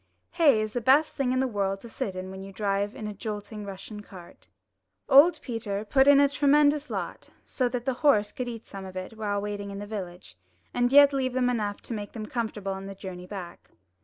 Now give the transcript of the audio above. Hay is the best thing in the world to sit in when you drive in a jolting Russian cart. Old Peter put in a tremendous lot, so that the horse could eat some of it while waiting in the village, and yet leave them enough to make them comfortable on the journey back.